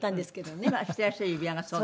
今していらっしゃる指輪がそうなの？